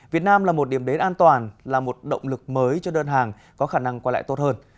việt nam là một điểm đến an toàn là một động lực mới cho đơn hàng có khả năng quay lại tốt hơn